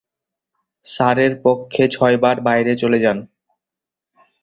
সারের পক্ষে ছয়বার বাইরে চলে যান।